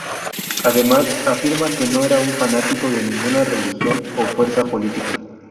Además, afirma que no era un fanático de ninguna religión o fuerza política.